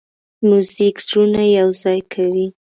موزیک زړونه یوځای کوي.